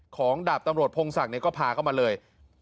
ดาบตำรวจพงศักดิ์ก็พาเข้ามาเลย